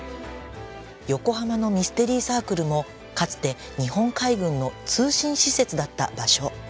横浜のミステリーサークルもかつて日本海軍の通信施設だった場所